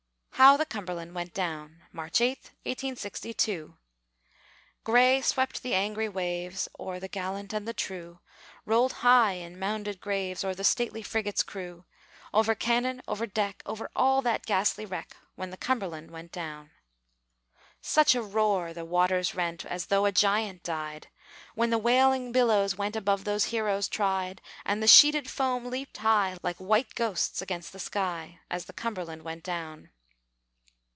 HOW THE CUMBERLAND WENT DOWN [March 8, 1862] Gray swept the angry waves O'er the gallant and the true, Rolled high in mounded graves O'er the stately frigate's crew Over cannon, over deck, Over all that ghastly wreck, When the Cumberland went down. Such a roar the waters rent As though a giant died, When the wailing billows went Above those heroes tried; And the sheeted foam leaped high, Like white ghosts against the sky, As the Cumberland went down.